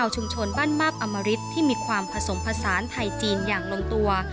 ชุมชนบ้านมาบอมริตที่มีความผสมผสานไทยจีนอย่างลงตัว